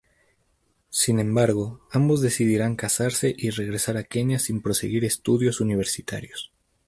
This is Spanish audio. Sin embargo, ambos decidirán casarse y regresar a Kenia sin proseguir estudios universitarios.